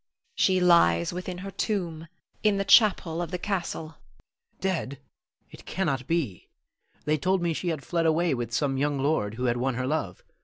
She lies within her tomb, in the chapel of the castle. Louis. Dead! it cannot be! They told me she had fled away with some young lord who had won her love.